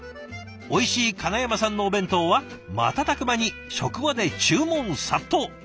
おいしい金山さんのお弁当は瞬く間に職場で注文殺到。